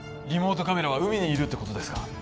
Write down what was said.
リモートカメラは海にいるってことですか？